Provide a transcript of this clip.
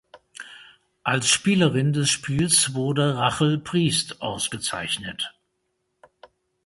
Als Spielerin des Spiels wurde Rachel Priest ausgezeichnet.